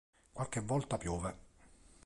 Qualche volta piove.